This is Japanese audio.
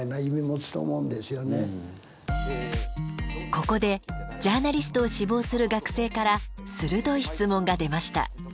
ここでジャーナリストを志望する学生から鋭い質問が出ました。